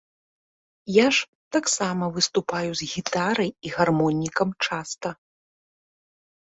Я ж таксама выступаю з гітарай і гармонікам часта.